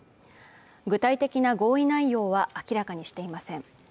具体的な合意内容は明らかにしていません